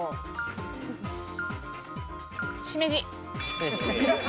しめじ。